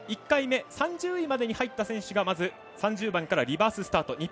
１回目３０位までに入った選手がまず３０番からリバーススタート。